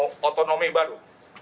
adalah daerah otonomi baru